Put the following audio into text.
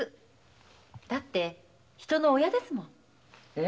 だって人の親ですもん。